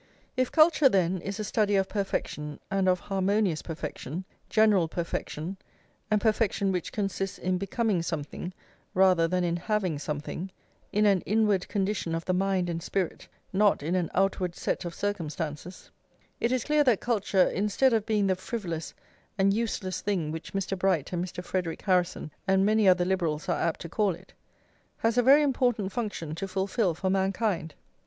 If culture, then, is a study of perfection, and of harmonious perfection, general perfection, and perfection which consists in becoming something rather than in having something, in an inward condition of the mind and spirit, not in an outward set of circumstances, it is clear that culture, instead of being the frivolous and useless thing which Mr. Bright, and Mr. Frederic Harrison, and many other liberals are apt to call it, has a very important function to fulfil for mankind.